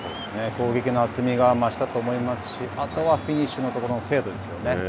攻撃の厚みが増したと思いますし、あとはフィニッシュのところの精度ですよね。